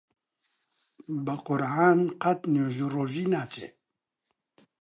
بە قورعان قەت نوێژ و ڕۆژووی ناچێ!